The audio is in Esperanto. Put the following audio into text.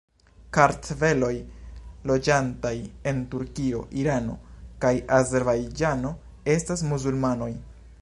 Kartveloj loĝantaj en Turkio, Irano kaj Azerbajĝano estas muzulmanoj.